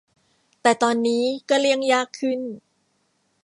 แต่ตอนนี้ก็เลี่ยงยากขึ้น